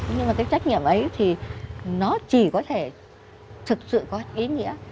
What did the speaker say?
nhưng mà cái trách nhiệm ấy thì nó chỉ có thể thực sự có ý nghĩa